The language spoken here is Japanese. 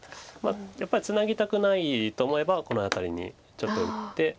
やっぱりツナぎたくないと思えばこの辺りにちょっと打って。